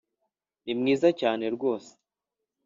ni mwiza cyane ryose